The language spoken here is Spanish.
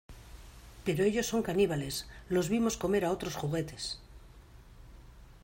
Pero ellos son caníbales. Los vimos comer a otros juguetes .